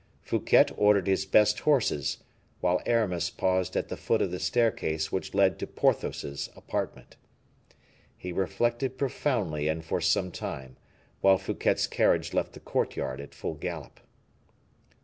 Fouquet ordered his best horses, while Aramis paused at the foot of the staircase which led to Porthos's apartment. He reflected profoundly and for some time, while Fouquet's carriage left the courtyard at full gallop.